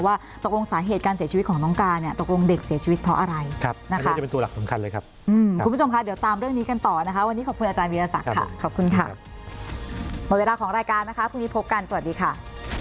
เวลาของรายการนะคะพรุ่งนี้พบกันสวัสดีค่ะ